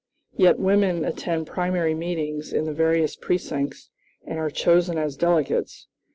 Yet women attend primary meetings in the various precincts and are chosen as delegates.